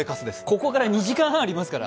ここから２時間半ありますから。